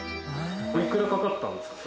おいくらかかったんですか？